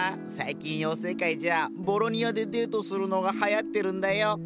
最近妖精界じゃボロニアでデートするのがはやってるんだよ。